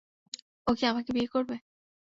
ও কি তোমাকে বিয়ে করবে?